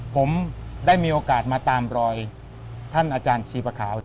ผมได้มีโอกาสมาตามรอยท่านอาจารย์ชีปะขาว